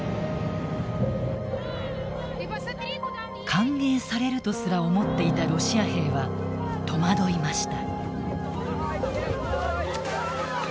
歓迎されるとすら思っていたロシア兵は戸惑いました。